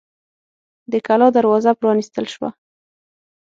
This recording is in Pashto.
د کلا دروازه پرانیستل شوه.